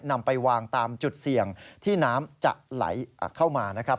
นำไปวางตามจุดเสี่ยงที่น้ำจะไหลเข้ามานะครับ